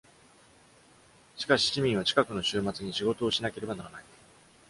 しかし、市民は近くの週末に仕事をしなければならない。